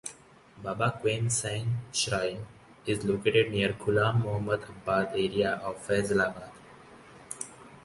Baba Qaim Sain Shrine is located near Ghulam Muhammad Abad area of Faisalabad.